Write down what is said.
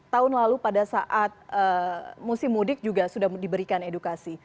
tahun lalu pada saat musim mudik juga sudah diberikan edukasi